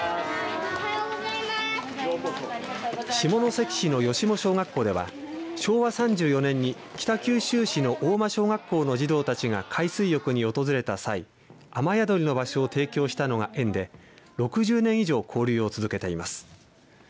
下関市の吉母小学校では昭和３４年に北九州市の合馬小学校の児童たちが海水浴に訪れた際雨宿りの場所を提供したのが縁で６０年以上交流を続けています。